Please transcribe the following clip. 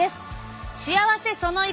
幸せその１。